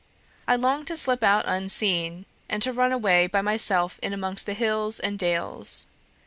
I longed to slip out unseen, and to run away by myself in amongst the hills and dales.